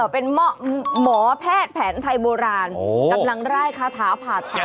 เป็นหมอแพทย์แผนไทยโบราณกำลังไล่คาถาผ่าตัด